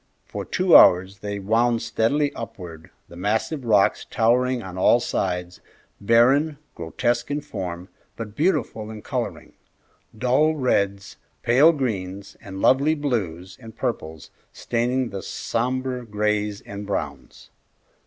For two hours they wound steadily upward, the massive rocks towering on all sides, barren, grotesque in form, but beautiful in coloring, dull reds, pale greens, and lovely blues and purples staining the sombre grays and browns.